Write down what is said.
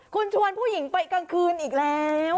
คุณชวนผู้หญิงไปกลางคืนอีกแล้ว